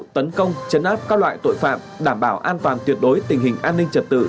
tấn công chấn áp các loại tội phạm đảm bảo an toàn tuyệt đối tình hình an ninh trật tự